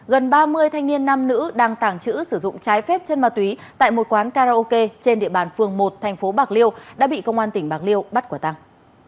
gần ba mươi thanh niên nam nữ đang tàng trữ sử dụng trái phép chân ma túy tại một quán karaoke trên địa bàn phường một thành phố bạc liêu đã bị công an tỉnh bạc liêu bắt quả tăng